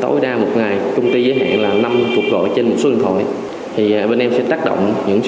tối đa một ngày công ty giới hạn là năm cuộc gọi trên xuân thổi thì bên em sẽ tác động những xuân